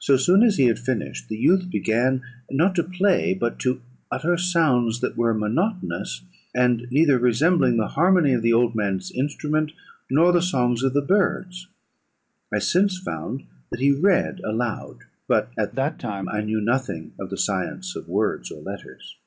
So soon as he had finished, the youth began, not to play, but to utter sounds that were monotonous, and neither resembling the harmony of the old man's instrument nor the songs of the birds: I since found that he read aloud, but at that time I knew nothing of the science of words or letters.